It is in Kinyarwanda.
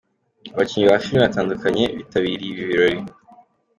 Abakinnyi ba filime batandukanye bitabiriye ibi birori.